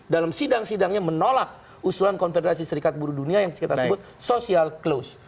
dalam sidang sidangnya menolak usulan konfederasi serikat buruh dunia yang kita sebut social close